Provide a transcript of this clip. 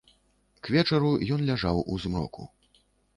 К вечару ён ляжаў у змроку.